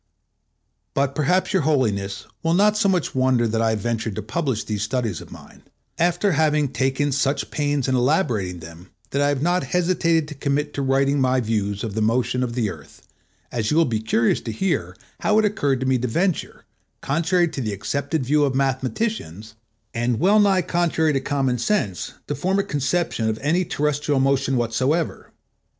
But perhaps Your Holiness will not so much wonder that I have ventured to publish these studies of mine, after having taken such pains in elaborating them that I have not hesitated to commit to writing my views of the motion of the Earth, as you will be curious to hear how it occurred to me to venture, contrary to the accepted view of mathematicians, and well nigh contrary to common sense, to form a conception of any terrestrial motion whatsoever.